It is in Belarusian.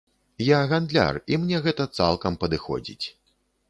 Я гандляр, і мне гэта цалкам падыходзіць.